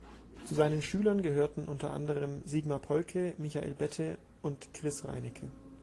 Zu seinen Schülern gehörten unter anderem Sigmar Polke, Michael Bette und Chris Reinecke.